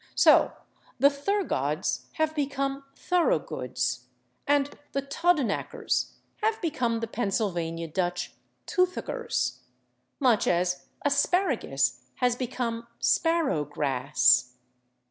So the /Thurgods/ have become /Thoroughgoods/, and the /Todenackers/ have become the Pennsylvania Dutch /Toothakers/, much as /asparagus/ has become /sparrow grass